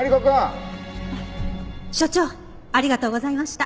所長ありがとうございました。